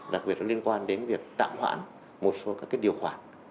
đặc biệt liên quan đến việc tạm hoãn một số các điều khoản